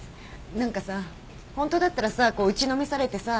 何かさホントだったらさこう打ちのめされてさ